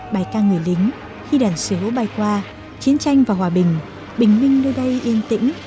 bài ca người lính khi đàn số bay qua chiến tranh và hòa bình bình minh nơi đây yên tĩnh